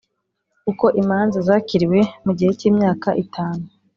Uko imanza zakiriwe mu gihe cy imyaka itanu